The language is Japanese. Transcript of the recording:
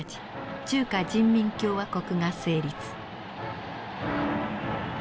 中華人民共和国が成立。